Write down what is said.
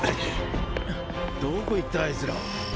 どこ行ったあいつら？